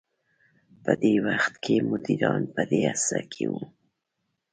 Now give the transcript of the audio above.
په دې وخت کې مديران په دې هڅه کې وو.